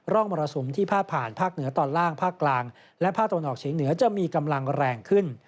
มรสุมที่พาดผ่านภาคเหนือตอนล่างภาคกลางและภาคตะวันออกเฉียงเหนือจะมีกำลังแรงขึ้น